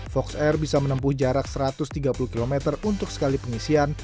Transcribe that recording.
fox air bisa menempuh jarak satu ratus tiga puluh km untuk sekali pengisian